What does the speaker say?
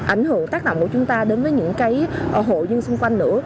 ảnh hưởng tác động của chúng ta đến với những hộ dân xung quanh nữa